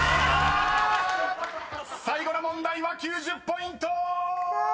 ［最後の問題は９０ポイント！］